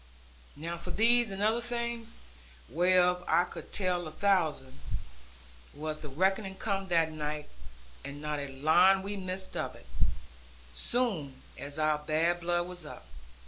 Now for these and other things (whereof I could tell a thousand) was the reckoning come that night; and not a line we missed of it; soon as our bad blood was up.